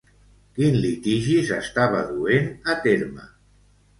Quin litigi s'estava duent a terme?